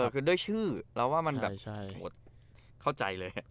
คือด้วยชื่อเราว่ามันแบบหมดเข้าใจเลย